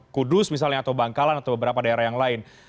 kudus misalnya atau bangkalan atau beberapa daerah yang lain